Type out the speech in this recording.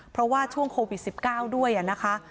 เพราะว่าช่วงโควิด๑๙ด้วยนะคะ